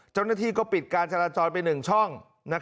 เจ้าหน้าที่ก็ปิดการจราจรไป๑ช่อง